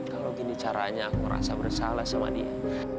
kalau gini caranya aku rasa bersalah sama dia